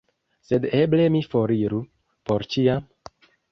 Sed eble mi foriru — por ĉiam?